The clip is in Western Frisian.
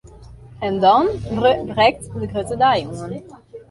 En dan brekt de grutte dei oan!